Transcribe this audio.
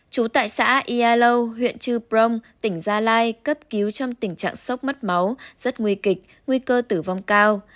trú tại xã ia lâu huyện chư prong tỉnh gia lai cấp cứu trong tình trạng sốc mất máu rất nguy kịch nguy cơ tử vong cao